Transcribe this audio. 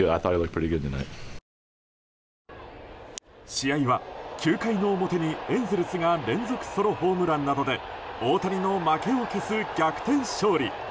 試合は９回の表にエンゼルスが連続ソロホームランなどで大谷の負けを消す逆転勝利。